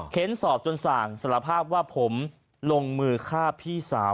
สอบจนส่างสารภาพว่าผมลงมือฆ่าพี่สาว